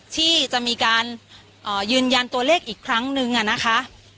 ที่จะมีการยืนยันตัวเลขอีกครั้งนึงนะคะ